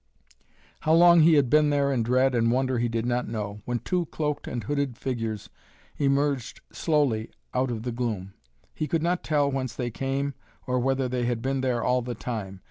How long he had been there in dread and wonder he did not know, when two cloaked and hooded figures emerged slowly out of the gloom. He could not tell whence they came or whether they had been there all the time.